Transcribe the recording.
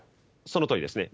そのとおりですね。